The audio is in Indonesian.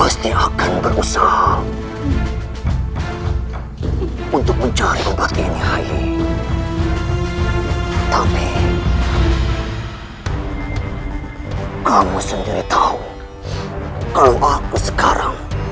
sampai jumpa di video selanjutnya